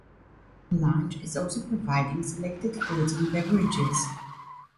The lounge is also providing selected foods and beverages.